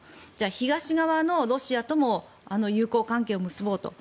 東側のロシアとも友好関係を結ぼうと。